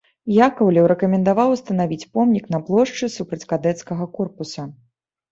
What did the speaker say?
Якаўлеў рэкамендаваў устанавіць помнік на плошчы супраць кадэцкага корпуса.